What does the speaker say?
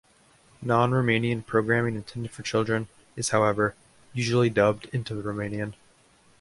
Non-Romanian programming intended for children, is however, usually dubbed into Romanian.